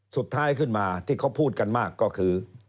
สุดท้ายขึ้นมาที่เขาพูดกันมากก็คือ